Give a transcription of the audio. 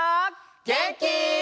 げんき？